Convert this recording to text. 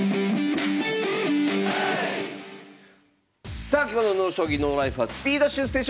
さあ今日の「ＮＯ将棋ＮＯＬＩＦＥ」は「スピード出世将棋」！